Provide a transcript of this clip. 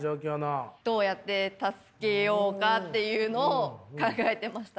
どうやって助けようかっていうのを考えてました。